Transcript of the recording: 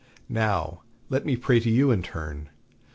Now, let me pray to you in turn.